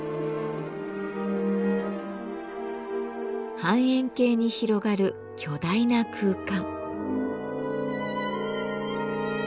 半円形に広がる巨大な空間。